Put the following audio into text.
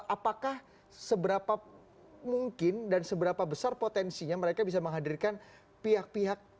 apakah seberapa mungkin dan seberapa besar potensinya mereka bisa menghadirkan pihak pihak